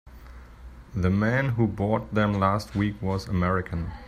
The man who bought them last week was American.